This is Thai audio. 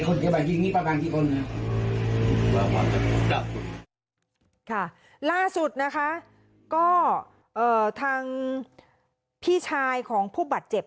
ก็บอกว่าทีมข่าวเนี่ยได้คุยกับเพื่อนของผู้บัตรเจ็บ